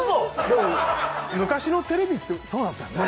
でも昔のテレビってそうだったよね？